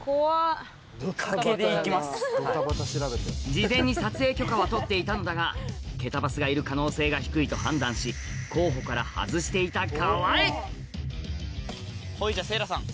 事前に撮影許可は取っていたのだがケタバスがいる可能性が低いと判断しほいじゃせいらさん。